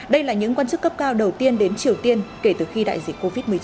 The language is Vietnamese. đây là những quan chức cấp cao đầu tiên đến triều tiên kể từ khi đại dịch covid một mươi chín